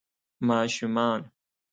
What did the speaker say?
ماشومان